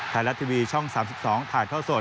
ไทยรัฐทีวีช่อง๓๒ถ่ายเท่าสด